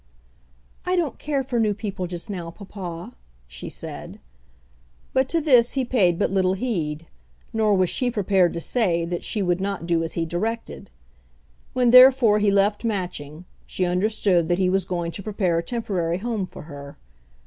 "I don't care for new people just now, papa," she said. But to this he paid but little heed; nor was she prepared to say that she would not do as he directed. When therefore he left Matching, she understood that he was going to prepare a temporary home for her.